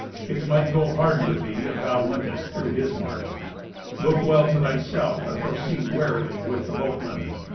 It might go hard with thee if thou wentest through his march. Look well to thyself, and proceed warily with the boatman.